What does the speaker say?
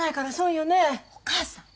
お母さん！